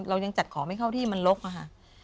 เรายังจัดของไม่เข้าที่มันลกอะค่ะ